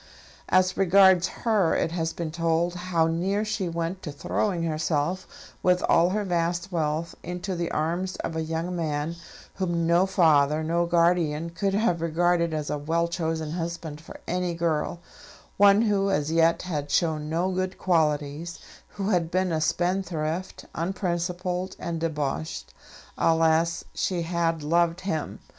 As regards her it has been told how near she went to throwing herself, with all her vast wealth, into the arms of a young man, whom no father, no guardian could have regarded as a well chosen husband for any girl; one who as yet had shown no good qualities, who had been a spendthrift, unprincipled, and debauched. Alas, she had loved him!